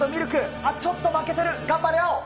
あっ、ちょっと負けてる、頑張れ、青。